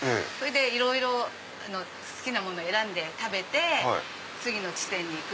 いろいろ好きなもの選んで食べて次の地点に行く。